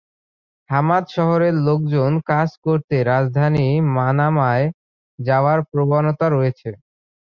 Hamad শহরের লোকজন কাজ করতে রাজধানী মানামায় যাওয়ার প্রবণতা রয়েছে।